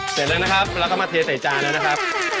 เสร็จแล้วนะครับเราก็มาเทใส่จานนะครับ